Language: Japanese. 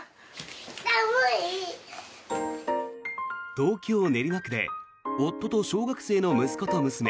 東京・練馬区で夫と小学生の息子と娘